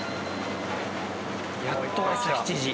やっと朝７時。